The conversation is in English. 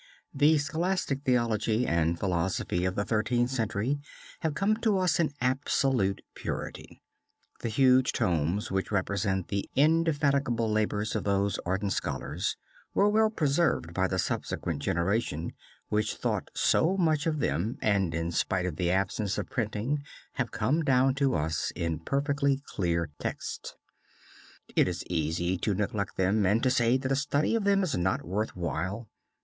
The scholastic theology and philosophy of the Thirteenth Century have come to us in absolute purity. The huge tomes which represent the indefatigable labors of these ardent scholars were well preserved by the subsequent generation which thought so much of them, and in spite of the absence of printing have come down to us in perfectly clear texts. It is easy to neglect them and to say that a study of them is not worth while.